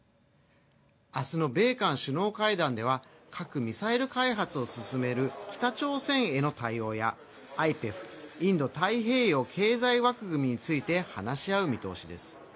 明日の米韓首脳会談では核・ミサイル開発を進める北朝鮮への対応やＩＰＥＦ＝インド太平洋経済枠組みについて話し合う見通しです。